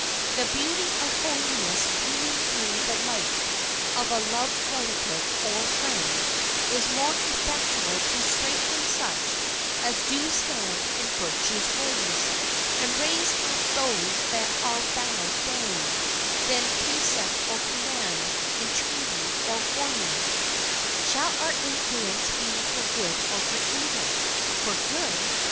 The beauty of holiness beaming through the life of a loved relative or friend is more effectual to strengthen such as do stand in virtue's ways, and raise up those that are bowed down, than precept or command, entreaty or warning. Shall our influence be for good or for evil? For good?